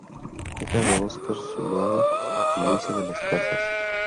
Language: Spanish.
Hija de Óscar Zuloaga y Luisa de las Casas.